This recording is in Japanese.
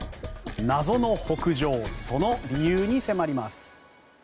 謎の北上、その理由に迫ります。